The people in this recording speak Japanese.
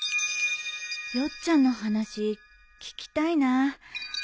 ヨッちゃんの話聞きたいな